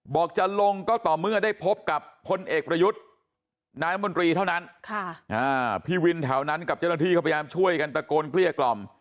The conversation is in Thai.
จะลงก็ต่อเมื่อได้พบกับพลเอกประยุทธ์นายมนตรีเท่านั้นพี่วินแถวนั้นกับเจ้าหน้าที่เขาพยายามช่วยกันตะโกนเกลี้ยกล่อม